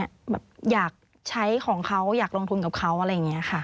แบบอยากใช้ของเขาอยากลงทุนกับเขาอะไรอย่างนี้ค่ะ